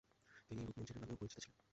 তিনি রূপমঞ্জরি নামেও পরিচিতা ছিলেন।